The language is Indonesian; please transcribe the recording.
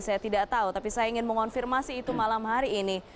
saya tidak tahu tapi saya ingin mengonfirmasi itu malam hari ini